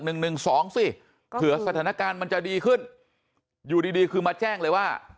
หนึ่งหนึ่งสองสิเผื่อสถานการณ์มันจะดีขึ้นอยู่ดีดีคือมาแจ้งเลยว่า